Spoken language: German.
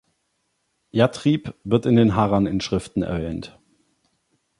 Yathrib wird in den Harran-Inschriften erwähnt.